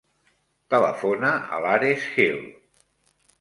Telefona a l'Ares Hill.